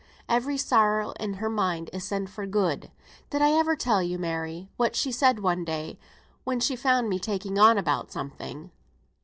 Every sorrow in her mind is sent for good. Did I ever tell you, Mary, what she said one day when she found me taking on about something?"